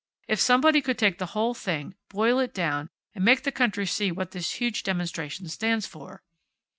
If somebody could take the whole thing, boil it down, and make the country see what this huge demonstration stands for."